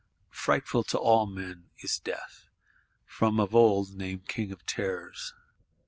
Frightful to all men is Death; from of old named King of Terrors.